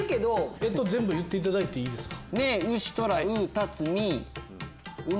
干支全部言っていただいていいですか？